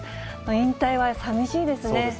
引退はさみしいですね。